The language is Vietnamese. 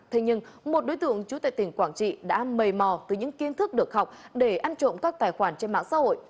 thế nhưng một đối tượng trú tại tỉnh quảng trị đã mầy mò từ những kiến thức được học để ăn trộm các tài khoản trên mạng xã hội